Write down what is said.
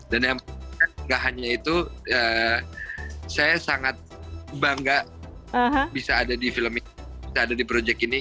dan yang tidak hanya itu saya sangat bangga bisa ada di film ini